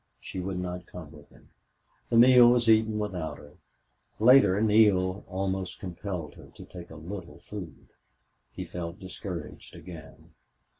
She would not come with him. The meal was eaten without her. Later Neale almost compelled her to take a little food. He felt discouraged again.